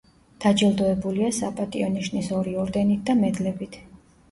დაჯილდოებულია „საპატიო ნიშნის“ ორი ორდენით და მედლებით.